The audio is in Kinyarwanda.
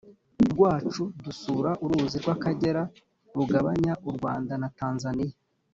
rwacu dusura uruzi rw’akagera rugabanya u rwanda na tanzaniya